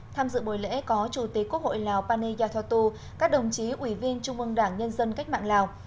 tham dự buổi lễ có chủ tế quốc hội lào pane yathotu các đồng chí ủy viên trung vương đảng nhân dân cách mạng lào